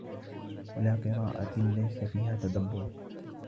وَلَا قِرَاءَةٍ لَيْسَ فِيهَا تَدَبُّرٌ